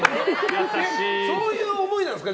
そういう思いなんですか。